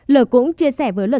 l cũng chia sẻ với luật sư